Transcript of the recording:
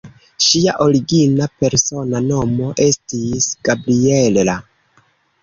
Ŝia origina persona nomo estis "Gabriella".